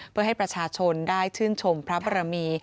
เพื่อให้ประชาชนได้ชื่นชมพระบรมี